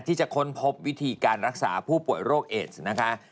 ค้นพบวิธีการรักษาผู้ป่วยโรคเอสนะคะ